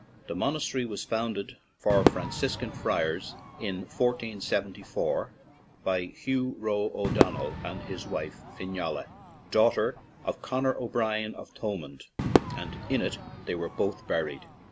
The monastery was found ed for Franciscan friars in 1474 by Hugh Roe O'Donnell and his wife, Fingalla, daughter of Conor O'Brien of Thomond, and in it they were both buried.